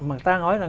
mà người ta nói là